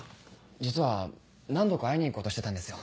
実は何度か会いに行こうとしてたんですよ。